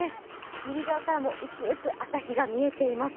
右側からも薄く朝日が見えています。